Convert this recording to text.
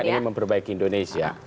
semangat ini memperbaiki indonesia